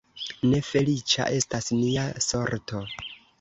Ne feliĉa estas nia sorto!